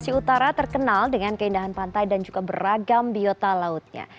sulawesi utara terkenal dengan keindahan pantai dan juga beragam biota lautnya